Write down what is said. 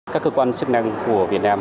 các cơ quan sức năng của việt nam